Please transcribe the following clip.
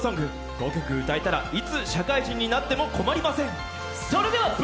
５曲歌えたらいつ社会人になっても困りません。